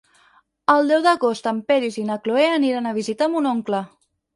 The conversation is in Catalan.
El deu d'agost en Peris i na Cloè aniran a visitar mon oncle.